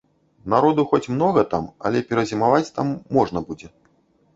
Народу хоць многа там, але перазімаваць там можна будзе.